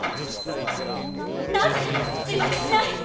なぜ⁉自爆しない！